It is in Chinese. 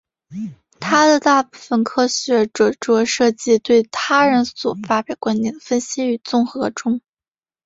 他的大部分科学着作涉及对他人所发表观点的分析与综合中。